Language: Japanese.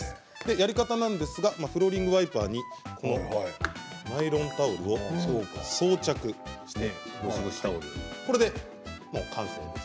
やり方なんですがフローリングワイパーにナイロンタオルを装着してこれで、もう完成です。